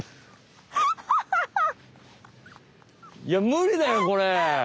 いやむりだよこれ！